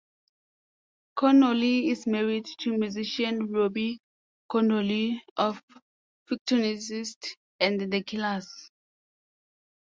Connolly is married to musician Robbie Connolly of Fictionist and The Killers.